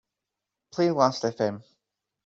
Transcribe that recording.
Play Lastfm.